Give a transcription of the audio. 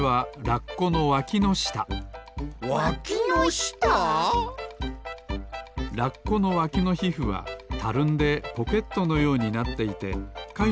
ラッコのわきのひふはたるんでポケットのようになっていてか